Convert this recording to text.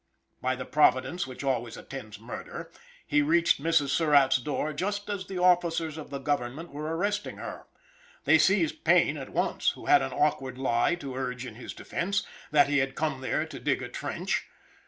By the providence which always attends murder, he reached Mrs. Surratt's door just as the officers of the government were arresting her. They seized Payne at once, who had an awkward lie to urge in his defense that he had come there to dig a trench.